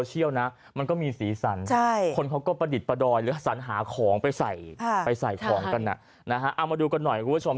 เอามาดูกันหน่อยคุณผู้ชม